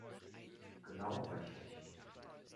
Genau richtig.